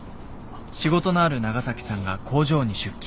仕事のあるナガサキさんが工場に出勤。